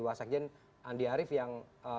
wasakjen andi arief yang